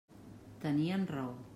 Tenien raó.